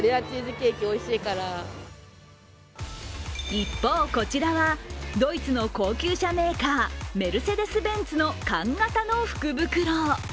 一方、こちらはドイツの高級車メーカー、メルセデスベンツの缶型の福袋。